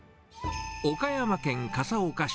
岡山県笠岡市。